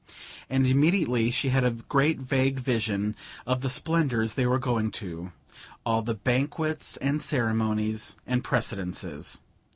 And immediately she had a great vague vision of the splendours they were going to all the banquets and ceremonies and precedences....